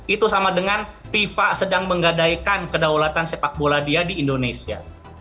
itu sama dengan fifa sedang menggadaikan kedaulatan sepak bola dia di indonesia